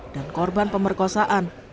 dan korban pemerkosaan